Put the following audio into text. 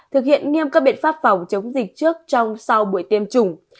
thực hiện nghiêm các biện pháp phòng chống dịch trước trong sau buổi tiêm chủng